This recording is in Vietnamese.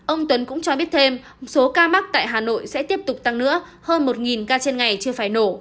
ông tuấn cũng cho biết thêm số ca mắc tại hà nội sẽ tiếp tục tăng nữa hơn một ca trên ngày chưa phải nổ